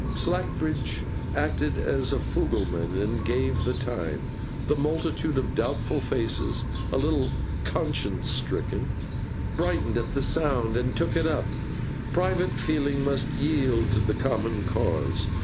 Slackbridge acted as fugleman, and gave the time. The multitude of doubtful faces (a little conscience stricken) brightened at the sound, and took it up. Private feeling must yield to the common cause.